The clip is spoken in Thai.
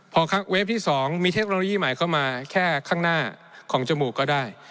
พอเวฟที่๒มีเทคโนโลยีใหม่เข้ามาแค่ข้างหน้าของจมูกก็ได้